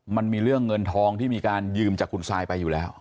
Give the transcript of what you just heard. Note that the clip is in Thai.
มันมีเรื่องเงินทองที่มีการยืมจากคุณซายไปอยู่แล้ว